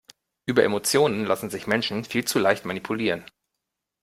Über Emotionen lassen sich Menschen viel zu leicht manipulieren.